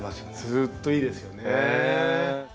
ずっといいですよね。